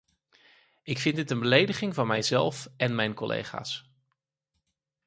Ik vind dit een belediging van mijzelf en mijn collega's.